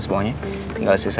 semoga rena segera ditemukan